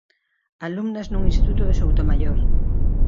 Alumnas nun instituto de Soutomaior.